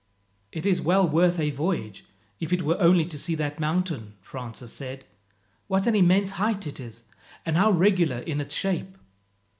"It is well worth a voyage, if it were only to see that mountain," Francis said. "What an immense height it is, and how regular in its shape!"